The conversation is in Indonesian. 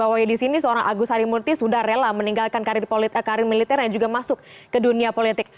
biar sebabnya disini seorang agus harimurti sudah rela meninggalkan karir militer dan juga masuk ke dunia politik